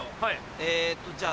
えっとじゃあ。